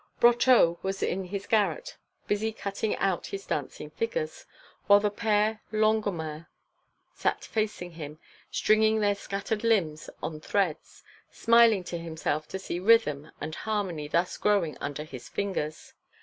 Brotteaux was in his garret busy cutting out his dancing figures, while the Père Longuemare sat facing him, stringing their scattered limbs on threads, smiling to himself to see rhythm and harmony thus growing under his fingers.